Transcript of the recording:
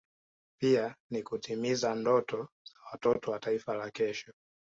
pia ni kutimiza ndoto za watoto wa Taifa la kesho